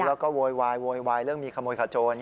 แล้วก็โวยวายโวยวายเรื่องมีขโมยขโจร